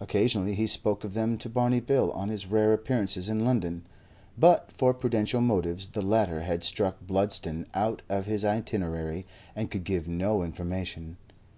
Occasionally he spoke of them to Barney Bill on his rare appearances in London, but for prudential motives the latter had struck Bludston out of his itinerary and could give no information.